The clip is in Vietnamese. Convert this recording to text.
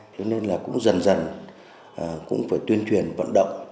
thế nên là cũng dần dần cũng phải tuyên truyền vận động